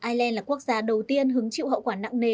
ireland là quốc gia đầu tiên hứng chịu hậu quả nặng nề